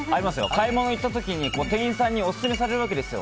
買い物に行った時に店員さんにオススメされるわけですよ。